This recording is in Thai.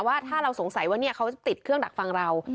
ว่าถ้าเราสงสัยว่าเขาจะติดเครื่องดักฟังเรา